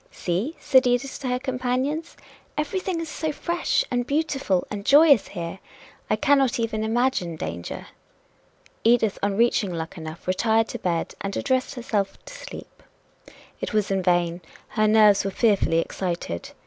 "See," said Edith to her companions, "everything is so fresh and beautiful and joyous here! I cannot even imagine danger." Edith on reaching Luckenough retired to bed, and addressed herself to sleep. It was in vain her nerves were fearfully excited.